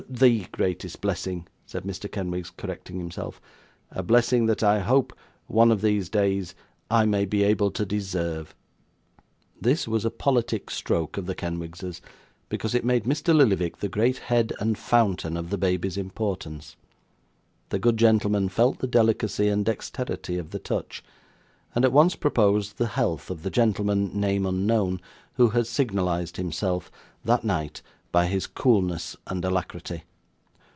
'THE greatest blessing,' said Mr. Kenwigs, correcting himself. 'A blessing that I hope, one of these days, I may be able to deserve.' This was a politic stroke of the Kenwigses, because it made Mr. Lillyvick the great head and fountain of the baby's importance. The good gentleman felt the delicacy and dexterity of the touch, and at once proposed the health of the gentleman, name unknown, who had signalised himself, that night, by his coolness and alacrity.